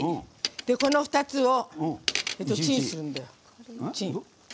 この２つをチンするの。